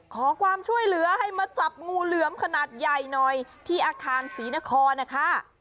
ขอความช่วยเหลือให้มาจับงูเหลือมขนาดใหญ่หน่อยที่อาคารศรีนครนะคะ